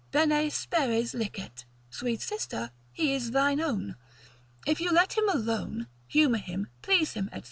bene speres licet, sweet sister he is thine own; yet if you let him alone, humour him, please him, &c.